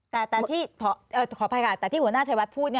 แต่ที่หัวหน้าชายวัดพูด